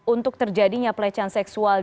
untuk terjadinya pelecehan seksual